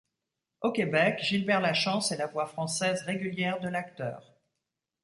Au Québec, Gilbert Lachance est la voix française régulière de l'acteur.